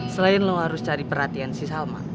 selain lo harus cari perhatian si salma